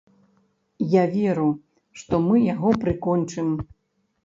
Я веру, што мы яго прыкончым.